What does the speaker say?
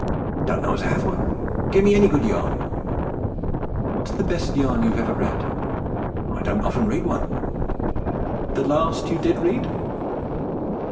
'Don't know as I have one; gimme any good yarn.' 'What's the best yarn you ever read?' 'I don't often read one.' 'The last you did read?'